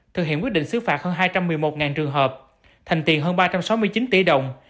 thực hiện quyết định xứ phạt hơn hai trăm một mươi một trường hợp thành tiền hơn ba trăm sáu mươi chín tỷ đồng